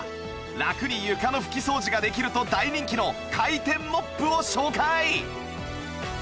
ラクに床の拭き掃除ができると大人気の回転モップを紹介！